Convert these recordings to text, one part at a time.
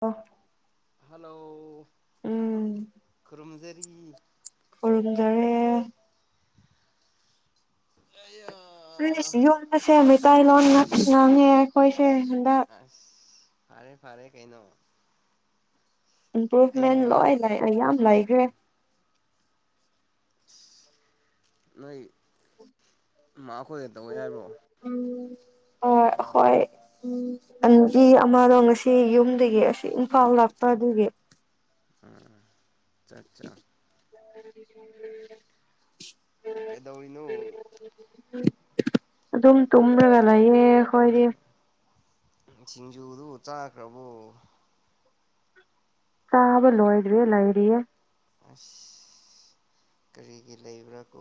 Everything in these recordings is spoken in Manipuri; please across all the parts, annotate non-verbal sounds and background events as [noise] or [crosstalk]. ꯑꯣ ꯍꯜꯂꯣ ꯎꯝ ꯈꯨꯔꯨꯝꯖꯔꯤ ꯈꯨꯔꯨꯝꯖꯔꯤ ꯑꯩꯌꯥ [unintelligible] ꯌꯨꯝ ꯑꯁꯦ ꯃꯩꯇꯩꯂꯣꯟ ꯉꯥꯛ ꯉꯥꯡꯉꯦ ꯑꯩꯈꯣꯏꯁꯦ ꯍꯟꯗꯛ ꯑꯁ ꯐꯔꯦ ꯐꯔꯦ ꯀꯩꯅꯣ ꯏꯝꯄ꯭ꯔꯨꯞꯃꯦꯟꯇ ꯍꯩꯅꯕ ꯂꯣꯏ ꯂꯩ ꯌꯥꯝ ꯂꯩꯈ꯭ꯔꯦ ꯑꯁ ꯅꯣꯏ ꯃꯥꯈꯣꯏꯗ ꯇꯧꯋꯦ ꯍꯥꯏꯕ꯭ꯔꯣ ꯎꯝ ꯍꯣꯏ ꯑꯥ ꯍꯣꯏ ꯎꯝ ꯑꯟꯕꯤ ꯑꯃꯔꯣ ꯉꯁꯤ ꯌꯨꯝꯗꯒꯤ ꯑꯁꯤ ꯏꯝꯐꯥꯜ ꯂꯥꯛꯄ ꯑꯗꯨꯒꯤ ꯎꯝ ꯆꯠꯆꯥ [unintelligible] ꯀꯩꯗꯧꯔꯤꯅꯣ ꯑꯗꯨꯝ ꯇꯨꯝꯔꯒ ꯂꯩꯌꯦ ꯑꯩꯈꯣꯏꯗꯤ ꯁꯤꯡꯖꯨꯗꯨ ꯆꯥꯈ꯭ꯔꯥꯕꯣ ꯆꯥꯕ ꯂꯣꯏꯗ꯭ꯔꯤꯌꯦ ꯂꯩꯔꯤꯌꯦ ꯑꯁ ꯀꯔꯤꯒꯤ ꯂꯩꯕ꯭ꯔꯥ ꯀꯣ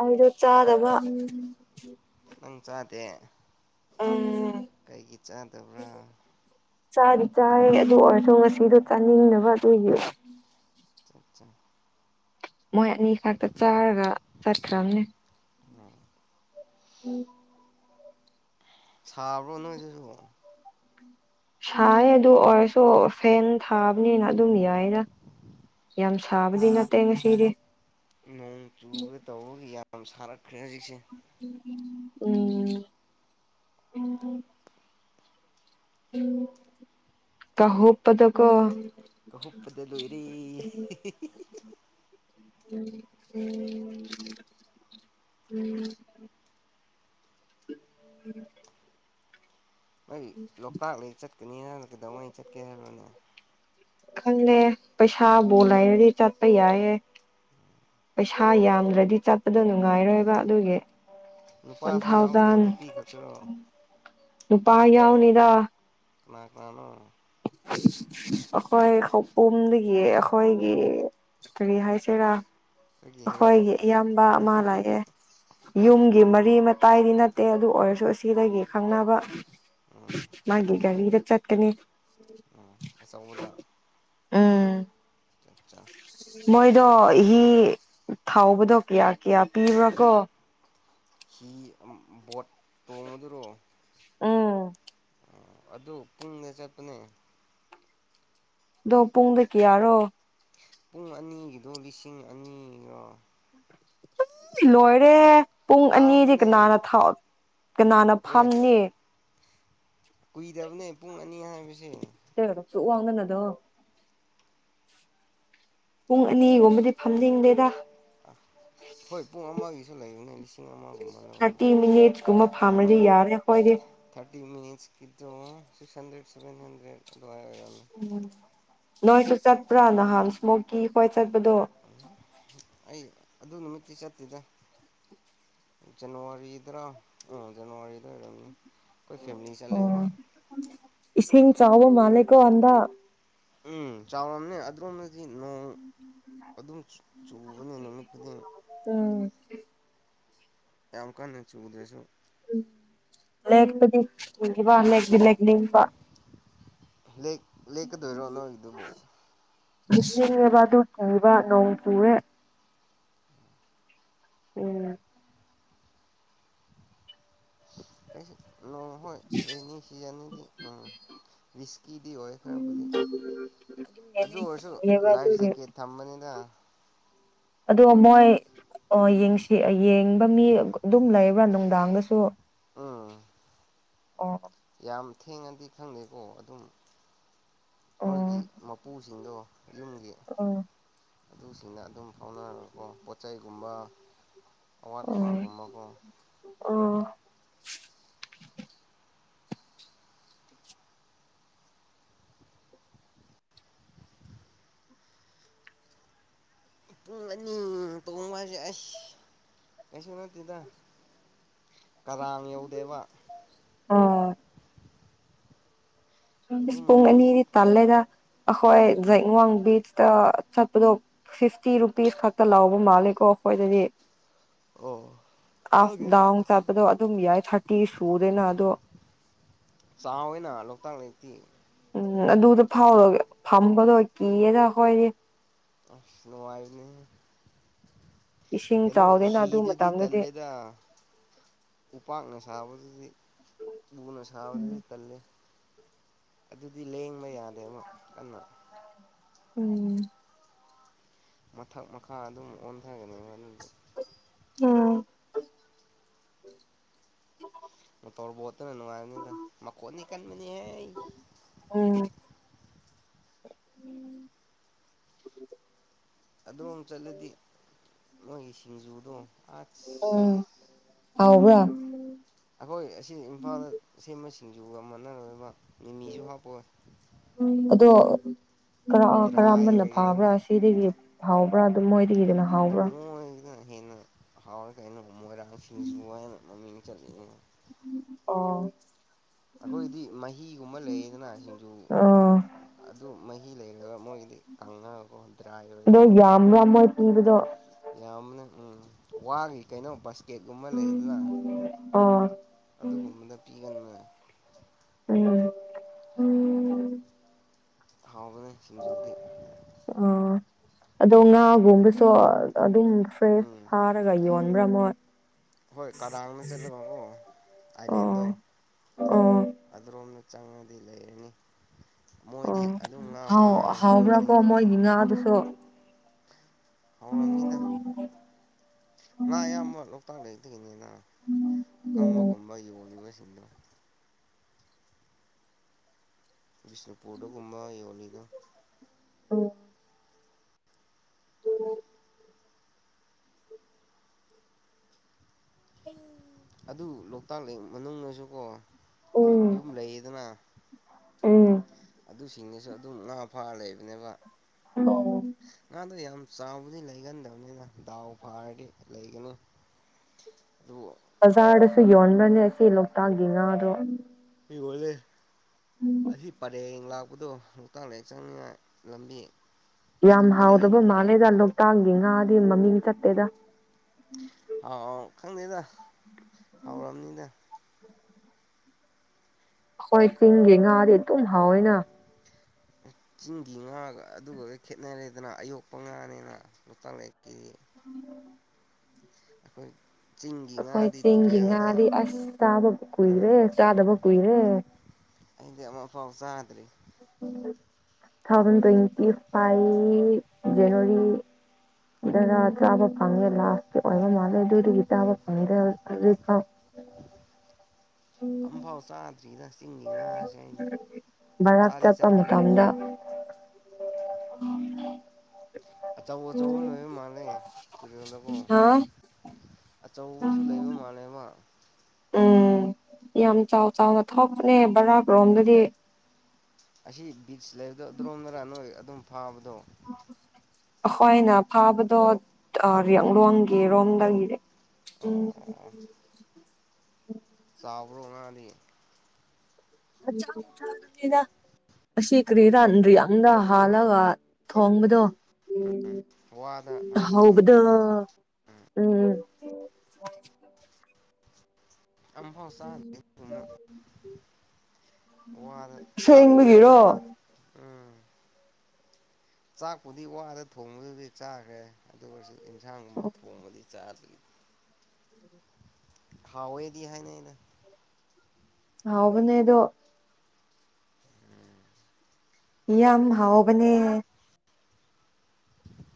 ꯑꯩꯗꯣ ꯆꯥꯗꯕ ꯅꯪ ꯆꯥꯗꯦ ꯎꯝ [inaudible] ꯀꯩꯒꯤ ꯆꯥꯗꯕ꯭ꯔ ꯆꯥꯗꯤ ꯆꯥꯏ ꯑꯗꯨ ꯑꯣꯏꯔꯁꯨ ꯉꯁꯤꯗꯣ ꯆꯥꯅꯤꯡꯗꯅꯕ ꯑꯗꯨꯒꯤ ꯆ ꯆ [unintelligible] ꯃꯣꯏ ꯑꯅꯤꯈꯛꯇ ꯆꯥꯔꯒ ꯆꯠꯈ꯭ꯔꯝꯅꯦ ꯎꯝ [unintelligible] [inaudible] ꯁꯥꯕ꯭ꯔꯣ ꯅꯣꯏꯗꯁꯨ ꯁꯥꯏꯌꯦ ꯑꯗꯨ ꯑꯣꯏꯔꯁꯨ ꯐꯦꯟ ꯊꯥꯕꯅꯤꯅ ꯑꯗꯨꯝ ꯌꯥꯏꯗ꯫ ꯌꯥꯝ ꯁꯥꯕꯗꯤ ꯅꯠꯇꯦ ꯉꯁꯤꯗꯤ ꯅꯣꯡ ꯆꯨꯒꯦ ꯇꯧꯕꯒꯤ ꯌꯥꯝ ꯁꯥꯔꯛꯈ꯭ꯔꯦ ꯍꯖꯤꯛꯁꯦ [inaudible] ꯎꯝ ꯀꯍꯣ ꯄꯗ ꯀꯣ [unintelligible] ꯀꯥꯍꯨꯞꯄꯗ ꯂꯣꯏꯔꯦ [inaudible] [unintelligible] ꯂꯣꯛꯇꯥꯛ ꯂꯦꯛ ꯆꯠꯀꯅꯤ ꯍꯥꯏꯕ ꯀꯩꯗꯧꯉꯩ ꯆꯠꯀꯦ ꯍꯥꯏꯕꯔꯣꯅꯦ ꯈꯪꯗꯦ ꯄꯩꯁꯥꯕꯣ ꯂꯩꯔꯗꯤ ꯆꯠꯄ ꯌꯥꯏꯌꯦ ꯄꯩꯁꯥ ꯌꯥꯝꯗ꯭ꯔꯗꯤ ꯆꯠꯄꯗꯨ ꯅꯨꯡꯉꯥꯏꯔꯣꯏꯕ ꯑꯗꯨꯒꯤ ꯋꯥꯟ ꯅꯨꯄꯥꯁꯨ ꯌꯥꯎꯕ꯭ꯔꯣ ꯊꯥꯎꯖꯟ ꯅꯨꯄꯤ ꯈꯛꯇꯔꯣ ꯅꯨꯄꯥ ꯌꯥꯎꯅꯤꯗ ꯀꯅꯥ ꯀꯅꯥꯅꯣ ꯑꯈꯣꯏ ꯈꯧꯄꯨꯝꯗꯒꯤ ꯑꯈꯣꯏꯒꯤ ꯀꯔꯤ ꯍꯥꯏꯁꯤꯔꯥ ꯑꯩꯈꯣꯏꯒꯤ ꯍꯦꯔꯣ ꯑꯈꯣꯏꯒꯤ ꯏꯌꯥꯝꯕ ꯑꯃ ꯂꯩꯌꯦ ꯌꯨꯝꯒꯤ ꯃꯔꯤ ꯃꯇꯥꯏꯗꯤ ꯅꯠ ꯇꯦ ꯑꯗꯨ ꯑꯣꯏꯔꯁꯨ ꯑꯁꯤꯗꯒꯤ ꯈꯪꯅꯕ ꯎꯝ ꯃꯥꯒꯤ ꯒꯥꯔꯤꯗ ꯆꯠꯀꯅꯤ ꯎꯝ ꯑꯆꯧꯕꯗ ꯎꯝ ꯑꯠꯆꯥ ꯃꯣꯏꯗꯣ ꯍꯤ ꯊꯥꯎꯕꯗꯣ ꯀꯌꯥ ꯀꯌꯥ ꯄꯤꯕ꯭ꯔꯥ ꯀꯣ ꯍꯤ ꯕꯣꯠ ꯇꯣꯡꯉꯗꯨꯔꯣ ꯎꯝ ꯑꯗꯨ ꯄꯨꯡꯗ ꯆꯠꯄꯅꯦ ꯗꯣ ꯄꯨꯡꯗ ꯀꯌꯥꯔꯣ ꯄꯨꯡ ꯑꯅꯤꯒꯤꯗꯨ ꯂꯤꯁꯤꯡ ꯑꯅꯤꯔꯣ [unintelligible] ꯂꯣꯏꯔꯦ ꯍꯦ ꯄꯨꯡ ꯑꯅꯤꯗꯤ ꯇꯥꯡꯕꯅꯦ ꯀꯅꯥꯅ ꯊꯥꯎꯑꯣ [unintelligible] ꯀꯅꯥꯅ ꯑꯦ ꯐꯥꯝꯅꯤ ꯀꯨꯏꯗꯕꯅꯦ ꯄꯨꯡ ꯑꯅꯤ ꯍꯥꯏꯕꯁꯦ [unintelligible] ꯄꯨꯡ ꯑꯅꯤꯒꯨꯝꯕꯗꯤ ꯐꯝꯅꯤꯡꯗꯦꯗꯥ ꯑꯥ ꯍꯣꯏ ꯄꯨꯡ ꯑꯃꯒꯤꯁꯨ ꯂꯩꯕꯅꯦ [unintelligible] ꯂꯧꯔꯅꯤ ꯊꯥꯔꯇꯤ ꯃꯤꯅꯤꯠꯁ ꯀꯨꯝꯕ ꯑꯣ ꯐꯝꯔꯗꯤ ꯌꯥꯔꯦ ꯈꯣꯏꯗꯤ ꯊꯥꯔꯇꯤ ꯃꯤꯅꯤꯠꯁ ꯀꯤꯗꯣ ꯁꯤꯛꯁ ꯍꯟꯗ꯭ꯔꯦꯠ ꯁꯦꯕꯦꯟ ꯍꯟꯗ꯭ꯔꯦꯠ ꯑꯗꯨꯋꯥꯏ ꯑꯣꯏꯔꯝꯅꯤ ꯎꯝ ꯅꯣꯏꯁꯨ ꯆꯠꯄ꯭ꯔꯥ ꯅꯍꯥꯟ ꯁꯃꯣꯀꯌ ꯈꯣꯏ ꯆꯠꯄꯗꯣ ꯑꯩ ꯑꯗꯨ ꯅꯨꯃꯤꯠꯇꯤ ꯆꯠꯇꯦꯗ ꯖꯅꯋꯥꯔꯤꯗꯔ ꯎ ꯖꯅꯋꯥꯔꯤꯗ ꯑꯣꯏꯔꯝꯅꯤ ꯑꯩꯈꯣꯏ ꯐꯦꯃꯤꯂꯤ ꯆꯠꯂꯦꯕ ꯑꯣ ꯏꯁꯤꯡ ꯆꯥꯎꯕ ꯃꯥꯂꯦꯀꯣ ꯍꯟꯗꯛ ꯎꯝ ꯆꯥꯎꯔꯝꯅꯤ ꯑꯗꯨꯔꯣꯝꯗꯥꯗꯤ ꯅꯣꯡ ꯑꯗꯨꯝ ꯆꯨ ꯆꯨꯕꯅꯤ ꯅꯨꯃꯤꯠ ꯈꯨꯗꯤꯡ ꯎꯝ ꯌꯥꯝ ꯀꯟꯅ ꯆꯨꯗ꯭ꯔꯁꯨ ꯎꯝ ꯂꯦꯄꯗꯤ ꯀꯨꯏꯈꯔ꯭ꯦꯕꯥ ꯂꯦꯛꯇꯤꯂꯦꯛ [unintelligible] ꯂꯦꯛ ꯂꯦꯛꯀꯗꯣꯏꯔꯣ ꯅꯣꯏꯗꯨꯕꯣ ꯍꯩꯁꯤꯜꯂꯥꯕꯥ ꯑꯗꯨ ꯀꯤꯕꯥ ꯅꯣꯡ ꯆꯨꯨꯔꯦ [unintelligible] ꯎꯝ ꯑꯩꯁꯤ ꯅꯣꯡꯍꯣꯏ ꯔꯦꯅꯤ ꯁꯤꯖꯟꯅꯦꯗꯤ ꯎꯃ [unintelligible] ꯔꯤꯁꯀꯤꯗꯤ ꯑꯣꯏ ꯈꯔꯕꯨꯗꯤ ꯑꯗꯨ ꯑꯣꯏꯔꯁꯨ ꯌꯦꯕ ꯂꯥꯏꯐ ꯑꯗꯨꯒꯤ ꯖꯦꯛꯀꯦꯠ ꯊꯝꯕꯅꯤꯗ ꯑꯗꯣ ꯃꯣꯏ ꯑꯣ ꯌꯦꯡꯁꯤ ꯌꯦꯡꯕ ꯃꯤ ꯒꯥ ꯗꯨꯝ ꯂꯩꯕ꯭ꯔꯥ ꯅꯨꯡꯗꯥꯡꯗꯁꯨ ꯎꯝ ꯑꯣ ꯌꯥꯝ ꯊꯦꯡꯉꯥꯗꯤ ꯈꯪꯗꯦꯀꯣ ꯑꯗꯨꯝ ꯃꯣꯏꯒꯤ ꯑꯣ ꯃꯄꯨꯁꯤꯡꯗꯣ ꯌꯨꯝꯒꯤ ꯑꯣ ꯑꯗꯨꯁꯤꯡꯅ ꯑꯗꯨꯝ ꯐꯥꯎꯅꯔꯀꯣ ꯄꯣꯠ ꯆꯩꯩꯒꯨꯝꯕ ꯑꯋꯥꯠ ꯑꯄꯥꯒꯨꯝꯕꯀꯣ ꯑꯣ ꯄꯨꯡ ꯑꯅꯤ ꯇꯣꯡꯕꯁꯦ ꯑꯁ ꯀꯩꯁꯨ ꯅꯠꯇꯦꯗ ꯀꯔꯥꯡ ꯌꯧꯗꯦꯕ ꯑꯥ ꯑꯗꯨꯝ ꯄꯨꯡ ꯑꯅꯤꯗꯤ ꯇꯜꯂꯦꯗ ꯑꯩꯈꯣꯏ ꯖꯦꯡꯋꯥꯡ ꯕꯤꯆꯇ ꯆꯠꯄꯗꯣ [unintelligible] ꯐꯤꯐꯇꯤ ꯔꯨꯄꯤꯁ ꯈꯛꯇ ꯂꯥꯎꯕ ꯃꯥꯂꯦꯀꯣ ꯑꯩꯈꯣꯏꯗꯗꯤ ꯑꯣ ꯈꯪꯗꯦ ꯑꯐ ꯗꯥꯎꯟ ꯆꯠꯄꯗꯣ ꯑꯗꯨꯝ ꯌꯥꯏ ꯊꯥꯔꯇꯤ ꯁꯨꯗꯦꯅ ꯑꯗꯣ ꯆꯥꯎꯏꯅ ꯂꯣꯛꯇꯥꯛ ꯂꯦꯛꯇꯤ ꯎꯝ ꯑꯗꯨꯗ ꯐꯥꯎꯔꯒꯥ ꯐꯝꯕꯗꯣ ꯀꯤꯌꯦꯗ ꯈꯣꯢꯗꯤ ꯑꯁ ꯅꯨꯡꯉꯥꯏꯕꯅꯤꯍꯦ ꯏꯁꯤꯡ ꯀꯩꯅꯣ ꯆꯥꯎꯗꯦꯅ ꯑꯗꯨ ꯍꯤꯗꯨꯗꯤ ꯃꯇꯝꯗꯗꯤ ꯇꯜꯂꯦꯗ ꯎꯄꯥꯛꯅ ꯁꯥꯕꯗꯨꯗꯤ ꯅꯨꯅ ꯎꯝ ꯁꯥꯕꯗꯨꯗꯤ ꯇꯜꯂꯦ ꯑꯗꯨꯗꯤ ꯂꯦꯡꯕ ꯌꯥꯗꯦꯕ ꯀꯟꯅ ꯎꯝ ꯃꯊꯛ ꯃꯈꯥ ꯑꯗꯨꯝ ꯑꯣꯟꯊꯒꯅꯦꯕ ꯑꯗꯨꯗꯤ ꯎꯝ ꯃꯣꯇꯣꯔ ꯕꯣꯠꯇꯅ ꯅꯨꯡꯉꯥꯏꯕꯅꯤꯗ ꯃꯈꯣꯟꯗꯤ ꯀꯟꯕꯅꯤꯍꯦ ꯎꯝ ꯑꯗꯣꯝ ꯆꯠꯂꯗꯤ ꯃꯣꯏꯒꯤ ꯁꯤꯡꯖꯨꯗꯣ ꯑꯁ ꯎꯝ ꯍꯥꯎꯕ꯭ꯔꯥ ꯑꯩꯈꯣꯏ ꯑꯁꯤ ꯏꯝꯐꯥꯜꯗ ꯁꯦꯝꯕ ꯁꯤꯡꯖꯨꯒ ꯃꯥꯟꯅꯔꯣꯢꯕ ꯃꯤꯃꯤꯁꯨ ꯍꯥꯞꯄꯣꯢ ꯑꯗꯣ ꯀꯔꯥꯝ ꯗ꯭ꯔꯥꯏ ꯀꯔꯥꯝꯕꯅ ꯐꯥꯕ꯭ꯔꯥ ꯑꯣꯏꯒꯅꯦꯕ ꯁꯤꯗꯒꯤ ꯍꯥꯎꯕ꯭ꯔꯥ ꯑꯗꯨꯝ ꯃꯣꯏꯗꯒꯤꯗꯨꯅ ꯃꯣꯏꯖꯤꯅ ꯍꯦꯟꯅ ꯍꯥꯎꯋꯦ ꯀꯩꯅꯣ ꯃꯣꯏꯔꯥꯡ ꯁꯤꯡꯖꯨ ꯍꯥꯏꯅ ꯃꯃꯤꯡ ꯆꯠꯂꯤꯅꯦ ꯑꯣ ꯑꯈꯣꯏꯗꯤ ꯃꯍꯤꯒꯨꯝꯕ ꯂꯩꯌꯦꯗꯅ ꯁꯤꯡꯖꯨ ꯑꯥ ꯑꯗꯨ ꯃꯍꯤ ꯂꯩꯔꯒ ꯃꯣꯏꯗꯤ ꯀꯪꯉꯥꯒꯀꯣ ꯗ꯭ꯔꯥꯏꯒ ꯂꯩꯒꯅꯤꯕ ꯏꯕꯗꯣ ꯌꯥꯝꯕꯅꯦ ꯎꯝ ꯋꯥꯒꯤ ꯀꯩꯅꯣ ꯕꯁ ꯀꯦꯛꯒꯨꯝꯕ ꯂꯩꯗꯅ ꯑꯣ ꯎꯝ ꯑꯗꯨꯒꯨꯝꯕꯗ ꯄꯤꯒꯟꯕꯅꯦ ꯎꯝ ꯍꯥꯎꯕꯅꯦ ꯁꯤꯡꯖꯨꯗꯤ ꯑꯣ ꯑꯗꯣ ꯉꯥ ꯒꯨꯝꯕꯁꯨ ꯑꯗꯨꯝ ꯐ꯭ꯔꯦꯁ ꯎꯝ ꯐꯥꯔꯒ ꯌꯣꯟꯕ꯭ꯔꯥ ꯃꯣꯏ ꯍꯣꯏ ꯀꯔꯥꯡꯗ ꯆꯠꯂꯒꯀꯣ ꯑꯥꯏꯂꯦꯟꯗꯣ ꯑꯣ ꯑꯣ ꯑꯗꯨꯔꯣꯝꯗ ꯆꯪꯉꯗꯤ ꯂꯩꯔꯅꯤ ꯃꯣꯏꯗꯤ ꯑꯣ ꯑꯗꯨꯝ ꯉꯥ ꯍꯥꯎ ꯐꯥꯔꯒ ꯍꯥꯎꯕ꯭ꯔꯥꯀꯣ ꯍꯤꯡꯕꯅꯤꯅꯀꯣ ꯃꯣꯏꯒꯤ ꯉꯥꯗꯨꯁꯨ ꯍꯧꯔꯝꯅꯤꯗ ꯉꯥ ꯑꯌꯥꯝꯕ ꯂꯣꯛꯇꯥꯛ ꯂꯦꯛꯇꯒꯤꯅꯤꯗ ꯎꯝ ꯑꯀꯪꯕꯒꯨꯝꯕ ꯌꯣꯜꯂꯤꯕꯁꯤꯡꯗꯣ ꯕꯤꯁꯅꯨꯄꯨꯔꯗꯒꯨꯝꯕ ꯌꯣꯜꯂꯤꯗꯣ ꯎꯝ [unintelligible] ꯑꯗꯨ ꯂꯣꯛꯇꯥꯛ ꯂꯦꯛ ꯃꯅꯨꯡꯗꯁꯨꯀꯣ ꯎꯝ ꯌꯨꯝ ꯂꯩꯌꯦꯗꯅ ꯎꯝ ꯑꯗꯨꯁꯤꯡꯅꯦꯁꯨ ꯑꯗꯨꯝ ꯉꯥ ꯐꯥꯔꯒ ꯂꯩꯕꯅꯦꯕ ꯑꯣ ꯉꯥꯗꯣ ꯌꯥꯝ ꯆꯥꯎꯕꯗꯤ ꯂꯩꯒꯟꯗꯕꯅꯤꯊ ꯗꯥꯎ ꯐꯥꯔꯗꯤ ꯂꯩꯒꯅꯤ ꯗꯨ ꯕꯖꯥꯔꯗꯁꯨ ꯌꯣꯟꯕ꯭ꯔꯅꯦ ꯁꯤ ꯂꯣꯛꯇꯥꯛꯒꯤ ꯉꯥꯗꯣ ꯍꯤ ꯍꯣꯜꯂꯦ ꯑꯁꯤ ꯄꯔꯦꯡ ꯂꯥꯛꯄꯗꯣ ꯂꯣꯛꯇꯥꯛꯂꯦꯛ ꯆꯪꯅꯤꯉꯥꯏ ꯂꯝꯕꯤ ꯑꯗꯨ ꯌꯥꯝ ꯄꯔꯦꯡ ꯍꯥꯎꯗꯕ ꯃꯥꯜꯂꯦꯗ ꯂꯣꯛꯇꯥꯛꯒꯤ ꯉꯥꯗꯤ ꯃꯃꯤꯡ ꯆꯠꯇꯦꯗ ꯍꯥꯎ ꯈꯪꯗꯦꯗ ꯍꯥꯎꯔꯝꯅꯤꯗ ꯑꯈꯣꯏ ꯆꯤꯡꯒꯤ ꯉꯥꯗꯤ ꯑꯗꯨꯝ ꯍꯥꯎꯋꯦꯅ ꯆꯤꯡꯒꯤ ꯉꯥꯒ ꯑꯗꯨꯒ ꯈꯦꯠꯅꯔꯦꯗꯅ ꯑꯌꯣꯛꯄ ꯉꯥꯅꯤꯅ ꯂꯣꯛꯇꯥꯛ ꯂꯦꯛꯀꯤꯗꯤ [inaudible] ꯑꯈꯣꯏ ꯑꯩꯈꯣꯏ ꯆꯤꯡꯒꯤ ꯉꯥꯗꯤ ꯑꯁ ꯆꯥꯕ ꯎꯝ ꯀꯨꯏꯔꯦ ꯆꯥꯗꯕ ꯀꯨꯏꯔꯦ ꯑꯩꯗꯤ ꯑꯃꯐꯥꯎ ꯆꯥꯗ꯭ꯔꯤ ꯊꯥꯎꯖꯟ ꯇ꯭ꯋꯦꯟꯇꯤ ꯐꯥꯏꯚ ꯖꯟꯋꯥꯔꯤ ꯗꯥꯔꯥ ꯆꯥꯕ ꯐꯪꯉꯦ ꯂꯥꯁꯀꯤ ꯑꯣꯏꯕ ꯃꯥꯜꯂꯦ ꯑꯗꯨ ꯑꯗꯨꯒꯤ ꯆꯥꯕ ꯐꯪꯗ꯭ꯔꯦ ꯍꯧꯖꯤꯛꯐꯧ ꯑꯝꯐꯥꯎ ꯆꯥꯗ꯭ꯔꯤꯗ ꯆꯤꯡꯒꯤ ꯉꯥꯁꯦ ꯑꯩꯗꯤ ꯚꯔꯥꯛ ꯆꯥꯗꯤ ꯆꯠꯄ ꯆꯥꯅꯤꯡꯉꯤ ꯃꯇꯝꯗ ꯑꯆꯧ ꯑꯆꯧꯕ ꯂꯣꯏꯕ ꯃꯥꯜꯂꯦ ꯇꯨꯔꯦꯜꯗꯀꯣ ꯍꯥ ꯑꯆꯧꯕꯁꯨ ꯂꯩꯕ ꯃꯥꯜꯂꯦꯕ ꯎꯝ ꯌꯥꯝ ꯆꯥꯎ ꯆꯥꯎꯅ ꯊꯣꯛꯄꯅꯦ ꯕꯔꯥꯛꯔꯣꯝꯗꯗꯤ ꯑꯁꯤ ꯕꯤꯆ ꯂꯩꯕ ꯑꯗ꯭ꯔꯣꯝꯗꯔ ꯅꯣꯏ ꯑꯗꯨꯝ ꯐꯥꯕꯗꯣ ꯑꯩꯈꯣꯏꯅ ꯐꯥꯕꯗꯣ ꯑ ꯌꯥꯡꯂꯣꯡꯒꯤ ꯔꯣꯝꯗꯒꯤꯅꯦ ꯑꯣ ꯆꯥꯕꯔꯣ ꯉꯥꯗꯤ ꯃꯆꯥ ꯃꯆꯥ [unintelligible] ꯑꯁꯤ ꯀꯔꯤꯔꯥ ꯌꯥꯝꯅ ꯍꯥꯜꯂꯒ ꯊꯣꯡꯕꯗꯣ ꯎꯝ ꯋꯥꯗ ꯍꯥꯞꯄꯒ ꯍꯧꯕꯗꯣ ꯎꯝ ꯑꯝꯐꯥꯎ ꯆꯥꯗ꯭ꯔꯤ ꯑꯗꯨꯒꯨꯝꯕ ꯋꯥꯗ ꯆꯥꯛꯄꯨꯗꯤ ꯑꯁꯦꯡꯕꯒꯤꯔꯣ ꯆꯥꯔꯦ ꯎꯝ ꯆꯥꯛꯄꯨꯗꯤ ꯋꯥꯗ ꯊꯣꯡꯕꯗꯨꯗꯤ ꯆꯥꯈ꯭ꯔꯦ ꯑꯗꯨꯒꯁꯨ ꯏꯟꯁꯥꯡꯒꯨꯝꯕ ꯊꯣꯡꯕꯗꯤ ꯆꯥꯗ꯭ꯔꯤ ꯍꯥꯎꯋꯦꯗꯤ ꯍꯥꯏꯅꯩꯗ ꯍꯥꯎꯕꯅꯦ ꯑꯗꯣ ꯎꯝ ꯌꯥꯝ ꯍꯥꯎꯕꯅꯦ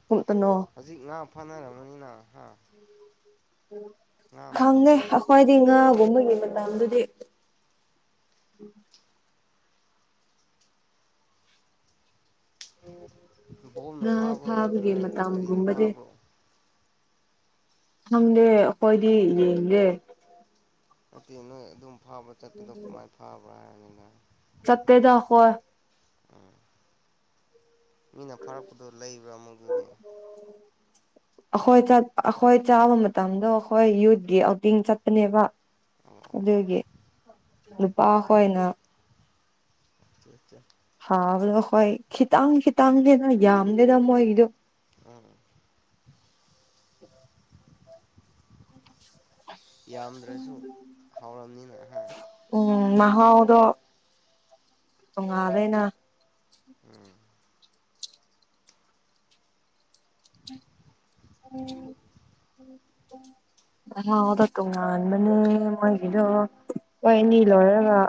[unintelligible] ꯅꯣ ꯍꯧꯖꯤꯛ ꯉꯥ ꯐꯥꯅꯔꯝꯃꯅꯤꯅ ꯍꯥ ꯉꯥ ꯈꯪꯉꯦ ꯃꯇꯝꯅꯤꯅ ꯑꯩꯈꯣꯏꯗꯤ ꯉꯥꯒꯨꯝꯕꯒꯤ ꯃꯇꯥꯡꯗꯨꯗꯤ [unintelligible] ꯕꯣꯜꯅ ꯉꯥ ꯐꯥꯕ꯭ꯔꯣ ꯐꯥꯕꯒꯤ ꯅꯠꯇ꯭ꯔꯒ ꯀꯔꯤꯅ ꯃꯇꯝꯒꯨꯝꯕꯗꯤ ꯐꯥꯕ꯭ꯔꯣ ꯈꯪꯗꯦ ꯑꯩꯈꯣꯏꯗꯤ ꯌꯦꯡꯗꯦ ꯅꯠꯇꯦ ꯅꯣꯏ ꯑꯗꯨꯝ ꯐꯥꯕ ꯆꯠꯄꯗꯣ ꯀꯃꯥꯏꯅ ꯐꯥꯕ꯭ꯔꯥ ꯍꯥꯏꯕꯅꯤꯅ ꯆꯠꯇꯦꯗ ꯑꯈꯣꯏ ꯎꯝ ꯃꯤꯅ ꯐꯥꯔꯛꯄꯗꯣ ꯂꯩꯕ꯭ꯔꯥ ꯑꯃꯨꯛ ꯑꯗꯨꯗꯤ ꯑꯩꯈꯣꯏ ꯆꯠ ꯑꯩꯈꯣꯏ ꯆꯥꯕ ꯃꯇꯝꯗꯣ ꯑꯩꯈꯣꯏ ꯌꯨꯠꯀꯤ ꯑꯥꯎꯇꯤꯡ ꯆꯠꯄꯅꯦꯕ ꯑꯣ ꯑꯣ ꯑꯣ ꯑꯗꯨꯒꯤ ꯅꯨꯄꯥ ꯍꯣꯏꯅ [unintelligible] ꯍꯥꯎꯋꯦꯕ ꯈꯣꯏ ꯈꯤꯇꯪ ꯈꯤꯇꯪꯅꯤꯗ ꯌꯥꯝꯗꯦꯗ ꯃꯣꯏꯒꯤꯗꯣ ꯎꯝ ꯌꯥꯝꯗ꯭ꯔꯁꯨ ꯍꯥꯎꯔꯝꯅꯤꯅ ꯍꯥ ꯎꯝ ꯃꯍꯥꯎꯗꯣ ꯇꯣꯉꯥꯜꯂꯦꯅ ꯎꯝ [unintelligible] ꯃꯍꯥꯎꯗꯣ ꯇꯣꯉꯥꯟꯕꯅꯦ ꯃꯣꯏꯒꯤꯗꯣ ꯈꯣꯏ ꯑꯅꯤ ꯂꯣꯏꯔꯒ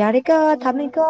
ꯌꯥꯔꯦꯀꯣ ꯊꯝꯃꯦꯀꯣ